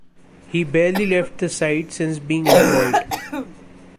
He barely left the site since being employed.